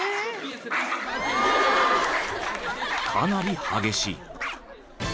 ［かなり激しい］